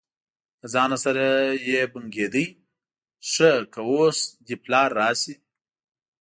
له ځانه سره یې بنګېده: ښه که اوس دې پلار راشي.